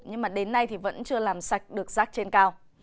nhưng mà đến nay thì vẫn chưa làm sạch được rác trên cao